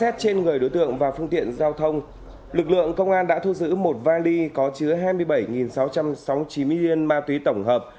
xét trên người đối tượng và phương tiện giao thông lực lượng công an đã thu giữ một vali có chứa hai mươi bảy sáu trăm sáu mươi chín viên ma túy tổng hợp